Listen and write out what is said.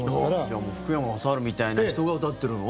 じゃあもう福山雅治みたいな人が歌ってるの？